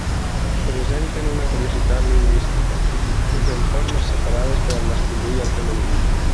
Presenten una curiositat lingüística: usen formes separades per al masculí i per al femení.